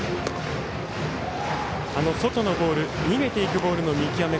外のボール逃げていくボールの見極め。